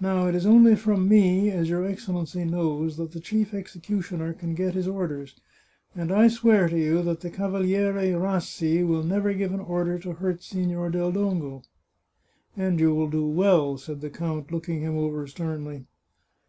Now it is only from me, as your Excellency knows, that the chief executioner can get his orders, and I swear to you that the Cavaliere Rassi will never give an order to hurt Signor del Dongo." " And you will do well," said the count, looking him over sternly.